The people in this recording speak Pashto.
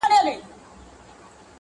د جرگې به يو په لس پورته خندا سوه؛